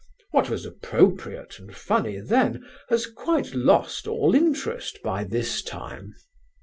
What was appropriate and funny then, has quite lost all interest by this time."